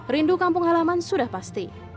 rindu kampung halaman sudah pasti